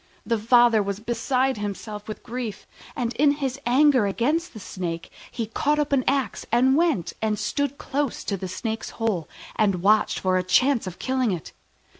The father was beside himself with grief, and in his anger against the Snake he caught up an axe and went and stood close to the Snake's hole, and watched for a chance of killing it.